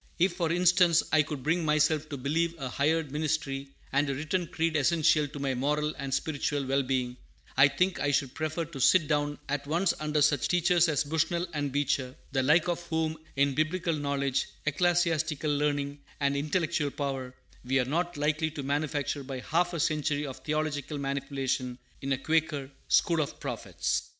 If, for instance, I could bring myself to believe a hired ministry and a written creed essential to my moral and spiritual well being, I think I should prefer to sit down at once under such teachers as Bushnell and Beecher, the like of whom in Biblical knowledge, ecclesiastical learning, and intellectual power, we are not likely to manufacture by half a century of theological manipulation in a Quaker "school of the prophets."